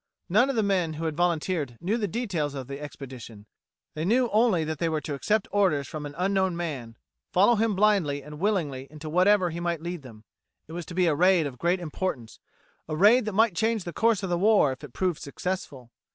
None of the men who had volunteered knew the details of the expedition: they knew only that they were to accept orders from an unknown man, follow him blindly and willingly into whatever he might lead them. It was to be a raid of great importance, a raid that might change the course of the war if it proved successful.